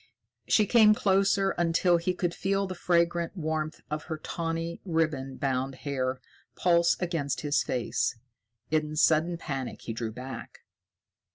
She came closer until he could feel the fragrant warmth of her tawny, ribbon bound hair pulse against his face. In sudden panic he drew back.